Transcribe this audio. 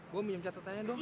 gue minum catatannya dong